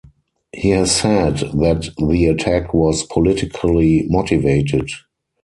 He has said that the attack was politically motivated.